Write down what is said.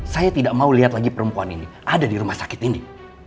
saya tidak mau lihat lagi perempuan ini ada di rumah sakit ini